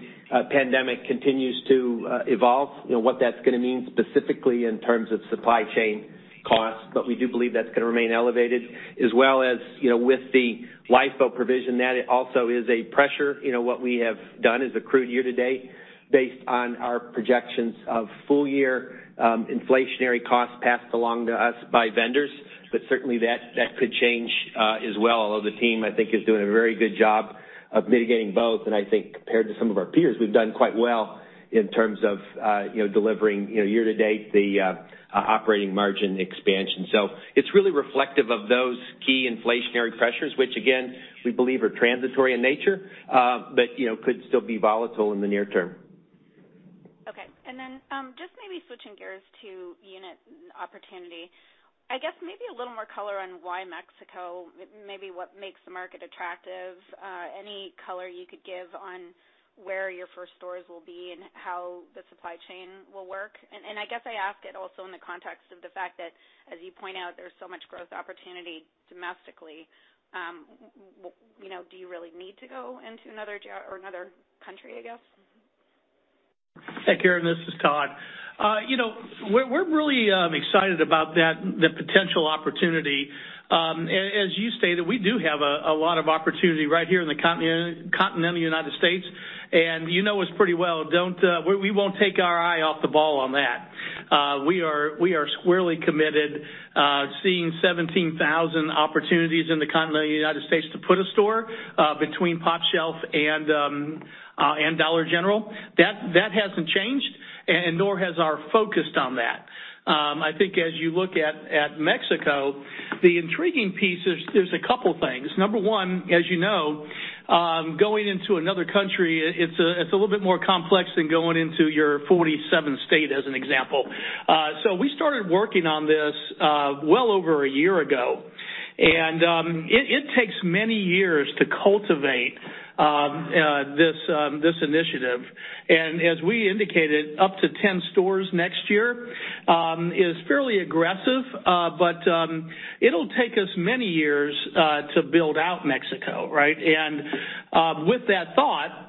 pandemic continues to evolve, you know, what that's gonna mean specifically in terms of supply chain costs. We do believe that's gonna remain elevated. As well as, you know, with the LIFO provision, that also is a pressure. You know, what we have done is accrued year to date based on our projections of full year, inflationary costs passed along to us by vendors. Certainly that could change, as well, although the team, I think, is doing a very good job of mitigating both. I think compared to some of our peers, we've done quite well in terms of, you know, delivering, you know, year to date the operating margin expansion. It's really reflective of those key inflationary pressures, which again, we believe are transitory in nature, but, you know, could still be volatile in the near term. Okay. Just maybe switching gears to unit opportunity. I guess maybe a little more color on why Mexico, maybe what makes the market attractive, any color you could give on where your first stores will be and how the supply chain will work? I guess I ask it also in the context of the fact that, as you point out, there's so much growth opportunity domestically. You know, do you really need to go into another country, I guess? Hey, Karen, this is Todd. You know, we're really excited about that, the potential opportunity. As you stated, we do have a lot of opportunity right here in the continental United States. You know us pretty well, don't you? We won't take our eye off the ball on that. We are squarely committed, seeing 17,000 opportunities in the continental United States to put a store between pOpshelf and Dollar General. That hasn't changed and nor has our focus on that. I think as you look at Mexico, the intriguing piece is there's a couple things. Number one, as you know, going into another country it's a little bit more complex than going into our 47-state, as an example. We started working on this well over a year ago. It takes many years to cultivate this initiative. As we indicated, up to 10 stores next year is fairly aggressive. It'll take us many years to build out Mexico, right? With that thought,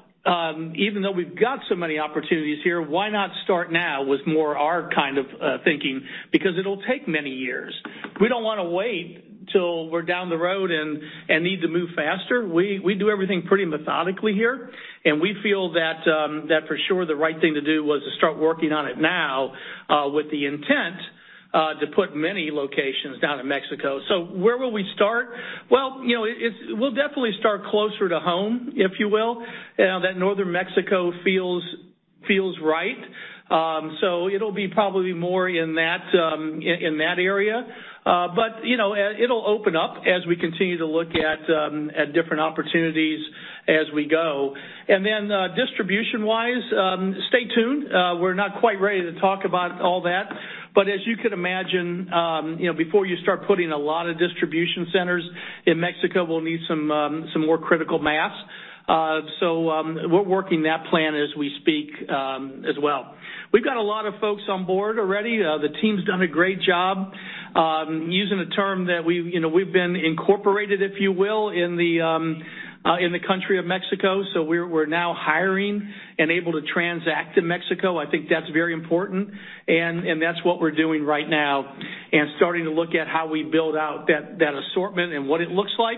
even though we've got so many opportunities here, why not start now with more our kind of thinking? Because it'll take many years. We don't wanna wait till we're down the road and need to move faster. We do everything pretty methodically here, and we feel that for sure the right thing to do was to start working on it now with the intent to put many locations down in Mexico. Where will we start? Well, you know, we'll definitely start closer to home, if you will. That Northern Mexico feels right. It'll be probably more in that area. You know, it'll open up as we continue to look at different opportunities as we go. Distribution-wise, stay tuned. We're not quite ready to talk about all that. As you can imagine, you know, before you start putting a lot of distribution centers in Mexico, we'll need some more critical mass. We're working that plan as we speak, as well. We've got a lot of folks on board already. The team's done a great job, using a term that you know we've been incorporated, if you will, in the country of Mexico, so we're now hiring and able to transact in Mexico. I think that's very important and that's what we're doing right now, and starting to look at how we build out that assortment and what it looks like.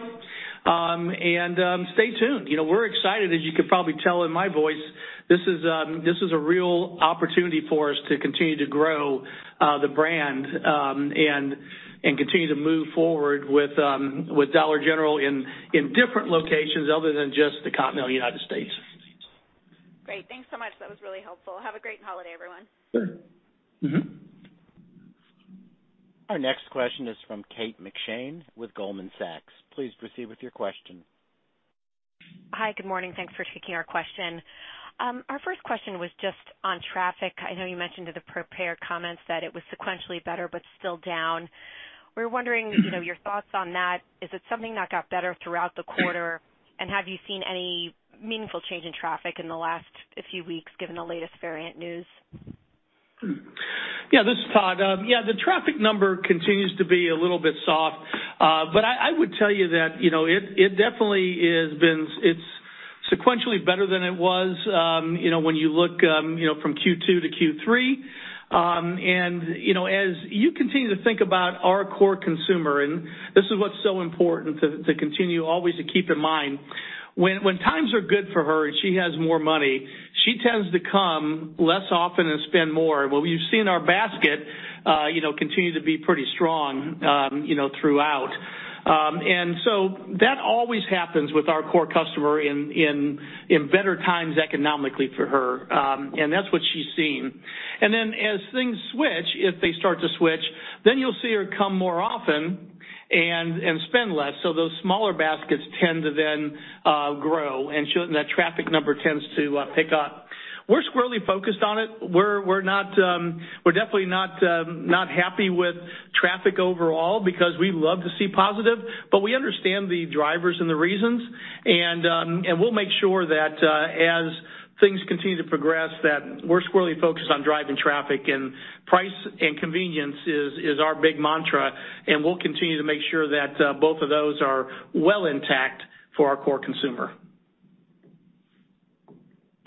Stay tuned. You know, we're excited, as you could probably tell in my voice. This is a real opportunity for us to continue to grow the brand and continue to move forward with Dollar General in different locations other than just the continental United States. Great. Thanks so much. That was really helpful. Have a great holiday, everyone. Sure. Mm-hmm. Our next question is from Kate McShane with Goldman Sachs. Please proceed with your question. Hi, good morning. Thanks for taking our question. Our first question was just on traffic. I know you mentioned in the prepared comments that it was sequentially better but still down. We were wondering, [crosstalk] you know, your thoughts on that. Is it something that got better throughout the quarter? Have you seen any meaningful change in traffic in the last few weeks given the latest variant news? Yeah, this is Todd. Yeah, the traffic number continues to be a little bit soft. I would tell you that, you know, it definitely has been. It's sequentially better than it was, you know, when you look, you know, from Q2 to Q3. You know, as you continue to think about our core consumer, and this is what's so important to continue always to keep in mind. When times are good for her and she has more money, she tends to come less often and spend more. Well, we've seen our basket, you know, continue to be pretty strong, you know, throughout. That always happens with our core customer in better times economically for her. That's what she's seen. Then as things switch, if they start to switch, then you'll see her come more often and spend less. So those smaller baskets tend to then grow, and that traffic number tends to pick up. We're squarely focused on it. We're definitely not happy with traffic overall because we love to see positive, but we understand the drivers and the reasons. We'll make sure that as things continue to progress, that we're squarely focused on driving traffic and price and convenience is our big mantra, and we'll continue to make sure that both of those are well intact for our core consumer.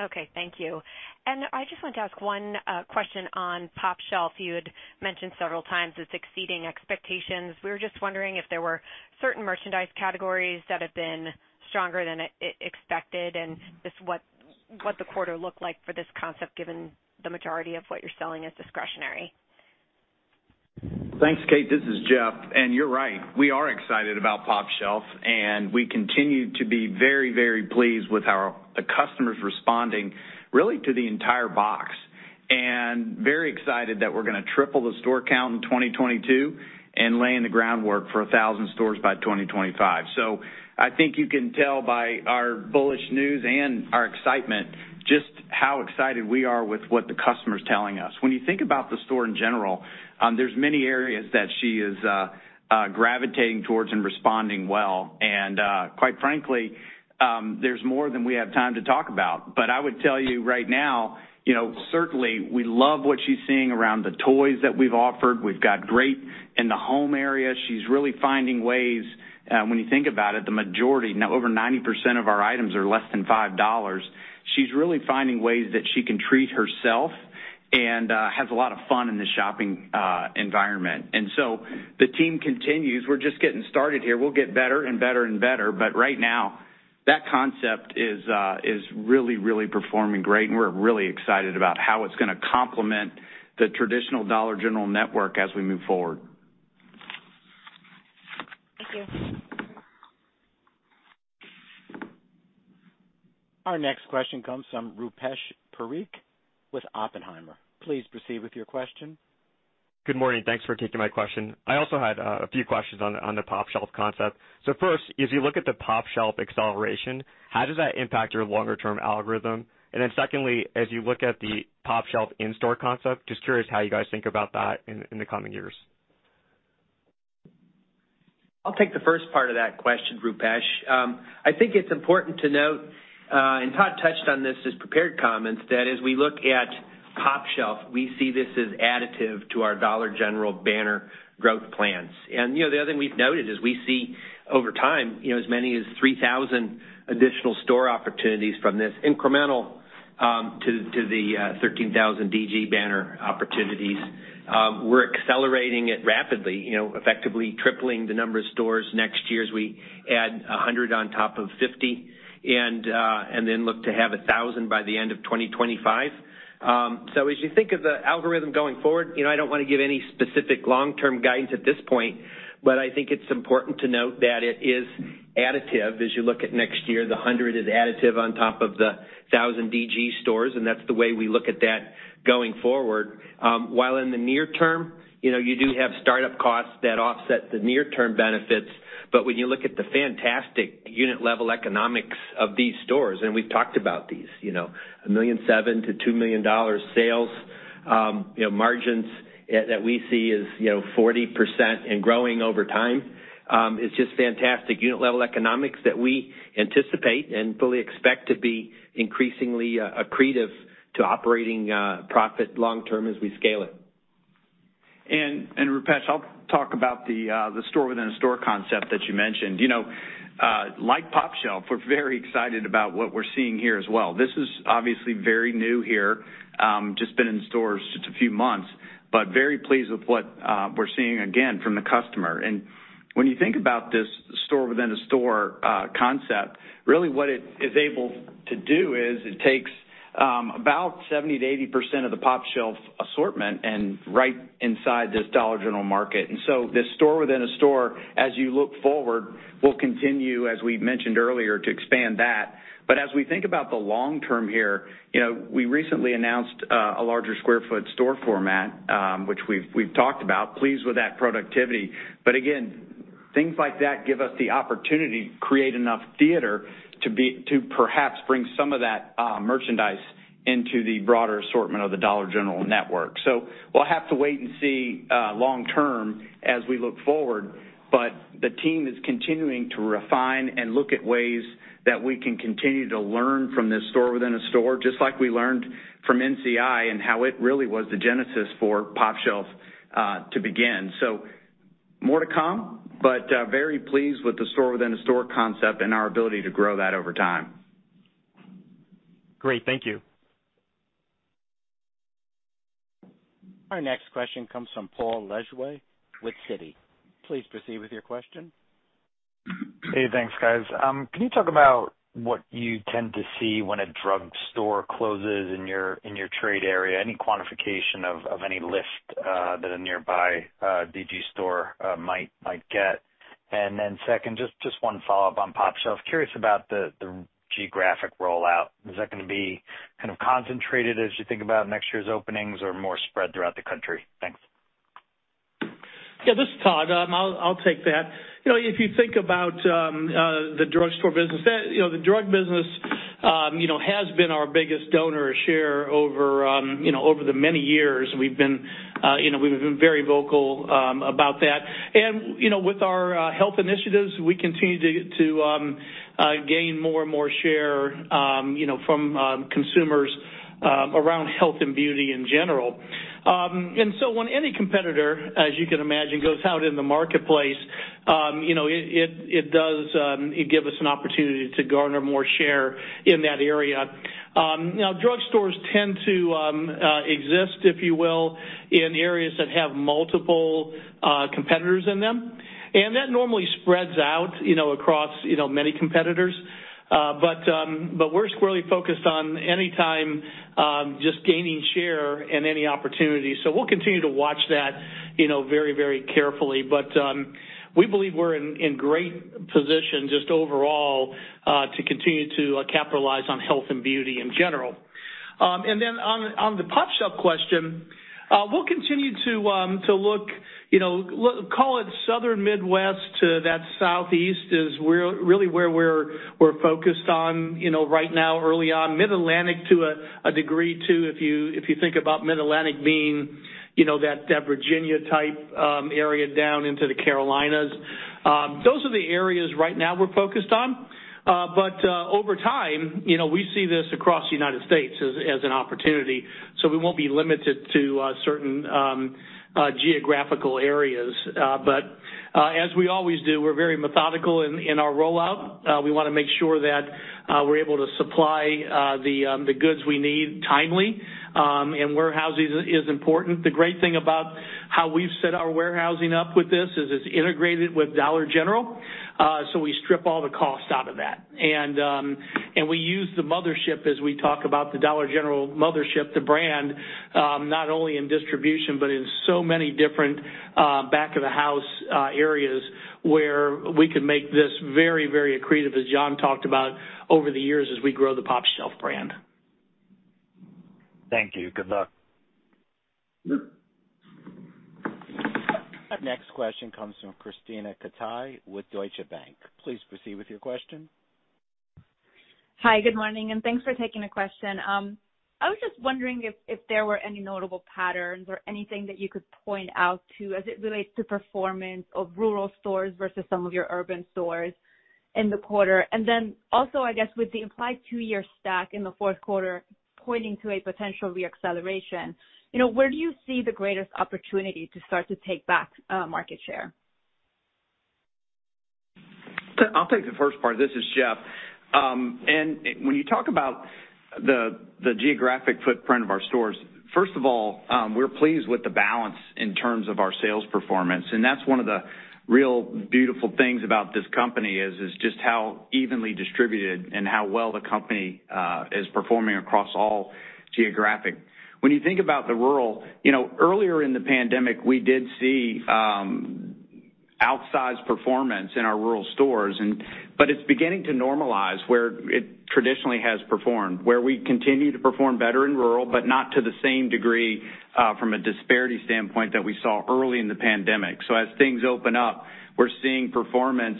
Okay, thank you. I just wanted to ask one question on pOpshelf. You had mentioned several times it's exceeding expectations. We were just wondering if there were certain merchandise categories that have been stronger than expected and just what the quarter looked like for this concept, given the majority of what you're selling is discretionary. Thanks, Kate. This is Jeff. You're right, we are excited about pOpshelf, and we continue to be very, very pleased with the customers responding really to the entire box. Very excited that we're gonna triple the store count in 2022 and laying the groundwork for 1,000 stores by 2025. I think you can tell by our bullish news and our excitement just how excited we are with what the customer's telling us. When you think about the store in general, there's many areas that she is gravitating towards and responding well. Quite frankly, there's more than we have time to talk about. I would tell you right now, you know, certainly we love what she's seeing around the toys that we've offered. We've got great in the home area. She's really finding ways, when you think about it, the majority, now over 90% of our items are less than $5. She's really finding ways that she can treat herself and has a lot of fun in the shopping environment. The team continues. We're just getting started here. We'll get better and better and better. Right now, that concept is really, really performing great, and we're really excited about how it's gonna complement the traditional Dollar General network as we move forward. Thank you. Our next question comes from Rupesh Parikh with Oppenheimer. Please proceed with your question. Good morning. Thanks for taking my question. I also had a few questions on the pOpshelf concept. First, as you look at the pOpshelf acceleration, how does that impact your longer term algorithm? Secondly, as you look at the pOpshelf in-store concept, just curious how you guys think about that in the coming years. I'll take the first part of that question, Rupesh. I think it's important to note, Todd touched on this as prepared comments, that as we look at pOpshelf, we see this as additive to our Dollar General banner growth plans. You know, the other thing we've noted is we see over time, you know, as many as 3,000 additional store opportunities from this incremental to the 13,000 DG banner opportunities. We're accelerating it rapidly, you know, effectively tripling the number of stores next year as we add 100 on top of 50, and then look to have 1,000 by the end of 2025. As you think of the algorithm going forward, you know, I don't wanna give any specific long-term guidance at this point, but I think it's important to note that it is additive as you look at next year. The 100 is additive on top of the 1,000 DG stores, and that's the way we look at that going forward. While in the near term, you know, you do have startup costs that offset the near-term benefits. When you look at the fantastic unit-level economics of these stores, and we've talked about these, you know, $1.7 million-$2 million sales, you know, margins that we see is, you know, 40% and growing over time, is just fantastic unit-level economics that we anticipate and fully expect to be increasingly accretive to operating profit long term as we scale it. Rupesh, I'll talk about the store within a store concept that you mentioned. You know, like pOpshelf, we're very excited about what we're seeing here as well. This is obviously very new here, just been in stores just a few months. Very pleased with what we're seeing again from the customer. When you think about this store within a store concept, really what it is able to do is it takes about 70%-80% of the pOpshelf assortment and right inside this DG Market. This store within a store, as you look forward, will continue, as we mentioned earlier, to expand that. As we think about the long term here, you know, we recently announced a larger square-foot store format, which we've talked about. Pleased with that productivity. Things like that give us the opportunity to create enough theater to perhaps bring some of that merchandise into the broader assortment of the Dollar General network. We'll have to wait and see long term as we look forward. The team is continuing to refine and look at ways that we can continue to learn from this store within a store, just like we learned from NCI and how it really was the genesis for pOpshelf to begin. More to come, but very pleased with the store within a store concept and our ability to grow that over time. Great. Thank you. Our next question comes from Paul Lejuez with Citi. Please proceed with your question. Hey, thanks, guys. Can you talk about what you tend to see when a drugstore closes in your trade area? Any quantification of any lift that a nearby DG store might get. Then second, just one follow-up on pOpshelf. Curious about the geographic rollout. Is that gonna be kind of concentrated as you think about next year's openings or more spread throughout the country? Thanks. Yeah, this is Todd. I'll take that. You know, if you think about the drugstore business, the drug business has been our biggest dollar share over the many years. We've been very vocal about that. You know, with our health initiatives, we continue to gain more and more share from consumers around health and beauty in general. When any competitor, as you can imagine, goes out in the marketplace, you know, it does give us an opportunity to garner more share in that area. Now drugstores tend to exist, if you will, in areas that have multiple competitors in them, and that normally spreads out, you know, across many competitors. But we're squarely focused on anytime just gaining share in any opportunity. We'll continue to watch that, you know, very carefully. But we believe we're in great position just overall to continue to capitalize on health and beauty in general. Then on the pOpshelf question, we'll continue to look, you know, call it Southern Midwest to the Southeast, where really we're focused on, you know, right now early on. Mid-Atlantic to a degree too if you think about mid-Atlantic being, you know, that Virginia type area down into the Carolinas. Those are the areas right now we're focused on. Over time, you know, we see this across the United States as an opportunity, so we won't be limited to certain geographical areas. As we always do, we're very methodical in our rollout. We wanna make sure that we're able to supply the goods we need timely, and warehousing is important. The great thing about how we've set our warehousing up with this is it's integrated with Dollar General. We strip all the costs out of that. We use the mothership as we talk about the Dollar General mothership, the brand, not only in distribution, but in so many different back of the house areas where we can make this very, very accretive, as John talked about, over the years as we grow the pOpshelf brand. Thank you. Good luck. Our next question comes from Krisztina Katai with Deutsche Bank. Please proceed with your question. Hi, good morning, and thanks for taking the question. I was just wondering if there were any notable patterns or anything that you could point out to as it relates to performance of rural stores versus some of your urban stores in the quarter? Also, I guess with the implied two-year stack in the fourth quarter pointing to a potential re-acceleration, you know, where do you see the greatest opportunity to start to take back market share? I'll take the first part. This is Jeff. When you talk about the geographic footprint of our stores, first of all, we're pleased with the balance in terms of our sales performance, and that's one of the real beautiful things about this company, is just how evenly distributed and how well the company is performing across all geographic. When you think about the rural, you know, earlier in the pandemic, we did see outsized performance in our rural stores, but it's beginning to normalize where it traditionally has performed, where we continue to perform better in rural but not to the same degree from a disparity standpoint that we saw early in the pandemic. As things open up, we're seeing performance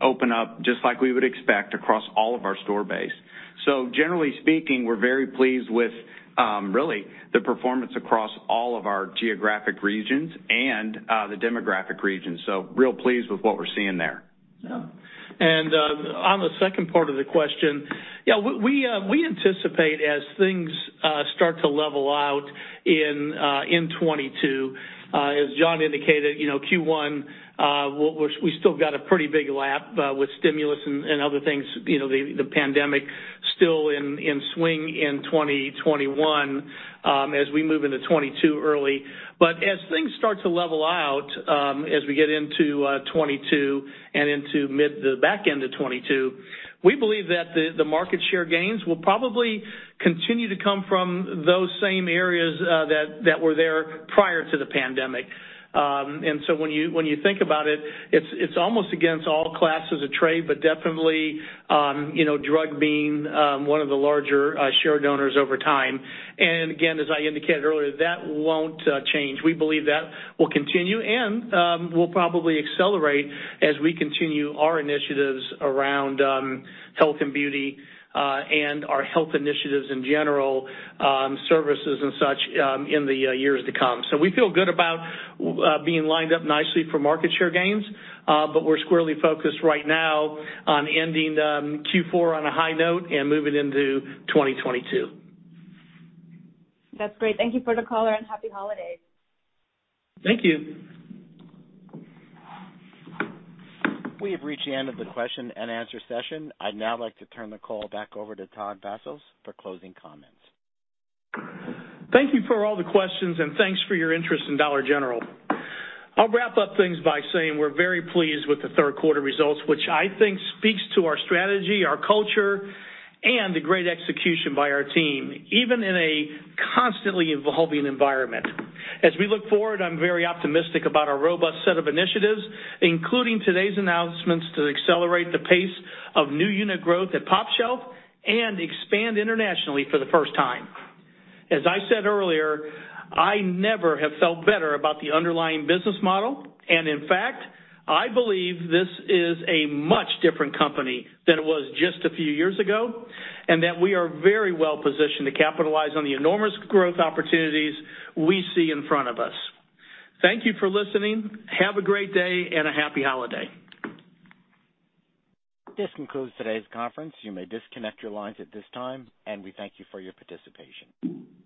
open up just like we would expect across all of our store base. Generally speaking, we're very pleased with really the performance across all of our geographic regions and the demographic regions. Really pleased with what we're seeing there. On the second part of the question, we anticipate as things start to level out in 2022. As John indicated, you know, Q1, we still got a pretty big lap with stimulus and other things, you know, the pandemic still in swing in 2021, as we move into 2022 early. But as things start to level out, as we get into 2022 and into mid- to the back end of 2022, we believe that the market share gains will probably continue to come from those same areas, that were there prior to the pandemic. When you think about it's almost against all classes of trade, but definitely, you know, drug being one of the larger share donors over time. Again, as I indicated earlier, that won't change. We believe that will continue and will probably accelerate as we continue our initiatives around health and beauty and our health initiatives in general, services and such, in the years to come. We feel good about being lined up nicely for market share gains, but we're squarely focused right now on ending Q4 on a high note and moving into 2022. That's great. Thank you for the color, and happy holidays. Thank you. We have reached the end of the question and answer session. I'd now like to turn the call back over to Todd Vasos for closing comments. Thank you for all the questions, and thanks for your interest in Dollar General. I'll wrap up things by saying we're very pleased with the third quarter results, which I think speaks to our strategy, our culture, and the great execution by our team, even in a constantly evolving environment. As we look forward, I'm very optimistic about our robust set of initiatives, including today's announcements to accelerate the pace of new unit growth at pOpshelf and expand internationally for the first time. As I said earlier, I never have felt better about the underlying business model, and in fact, I believe this is a much different company than it was just a few years ago, and that we are very well-positioned to capitalize on the enormous growth opportunities we see in front of us. Thank you for listening. Have a great day and a happy holiday. This concludes today's conference. You may disconnect your lines at this time, and we thank you for your participation.